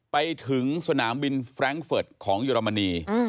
ไปถึงสนามบินแฟรงค์เฟิร์ตของเยอรมนี